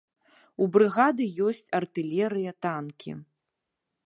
У брыгады ёсць артылерыя, танкі.